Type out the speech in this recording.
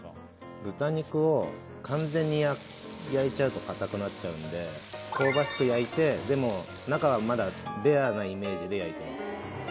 豚肉を完全に焼いちゃうと硬くなっちゃうんで香ばしく焼いてでも中はまだレアなイメージで焼いてます。